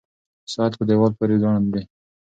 ساعت په دیوال پورې ځوړند دی.